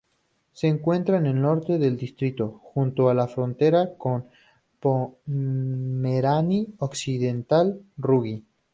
Se encuentra al norte del distrito, junto a la frontera con Pomerania Occidental-Rügen.